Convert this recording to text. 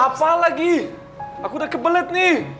apa lagi aku udah kebelet nih